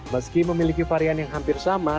meski memiliki varian yang hampir sama